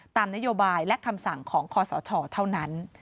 ตามนโยบายและคำสั่งของคอสชเท่านั้น